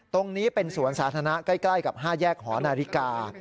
ตรงนี้เป็นสวนสาธารณะใกล้กับ๕แยกหอนาฬิกา